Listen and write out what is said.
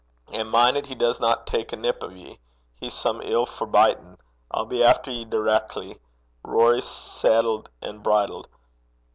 'An' min' 'at he doesna tak a nip o' ye. He's some ill for bitin'. I'll be efter ye direckly. Rorie's saiddlet an' bridled.